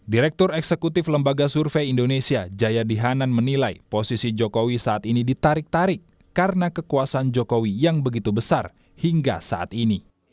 direktur eksekutif lembaga survei indonesia jayadi hanan menilai posisi jokowi saat ini ditarik tarik karena kekuasaan jokowi yang begitu besar hingga saat ini